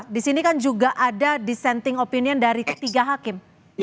di sini kan juga ada dissenting opinion dari ketiga hakim